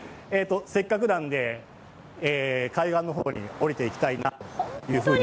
せっかくなんで、海岸の方におりていきたいなというふうに思います。